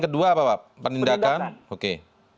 dua apa pak pendidikan pendidikan oke